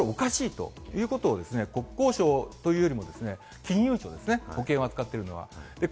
これ、おかしいということを国交省というよりも金融庁ですね、保険を扱ってるのは。